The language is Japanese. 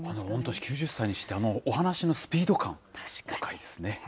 御年９０歳にして、あのお話のスピード感、若いですね。